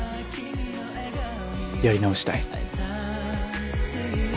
「やり直したい」。